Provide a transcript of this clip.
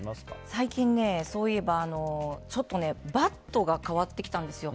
最近そういえば、ちょっとバットが変わってきたんですよ。